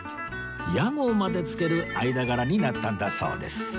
屋号まで付ける間柄になったんだそうです